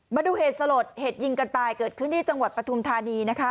มาดูเหตุสลดเหตุยิงกันตายเกิดขึ้นที่จังหวัดปฐุมธานีนะคะ